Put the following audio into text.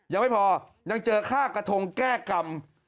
ยังไม่พอยังเจอค่ากระทงแก้กรรม